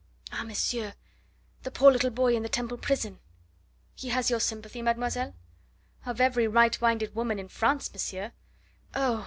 "Ah, monsieur, the poor little boy in the Temple prison!" "He has your sympathy, mademoiselle?" "Of every right minded woman in France, monsieur. Oh!"